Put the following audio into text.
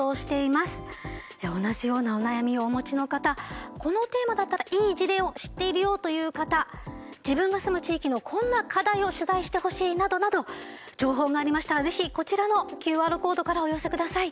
同じようなお悩みをお持ちの方このテーマだったらいい事例を知っているよという方自分が住む地域のこんな課題を取材してほしいなどなど情報がありましたら是非こちらのＱＲコードからお寄せください。